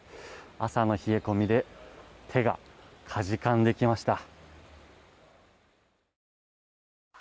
朝の冷え込みで手がかじかんできました。